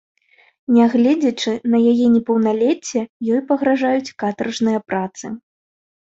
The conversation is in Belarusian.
Нягледзячы на яе непаўналецце, ей пагражаюць катаржныя працы.